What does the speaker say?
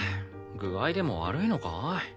具合でも悪いのか？